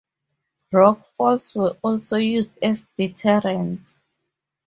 Rock falls were also used as deterrents.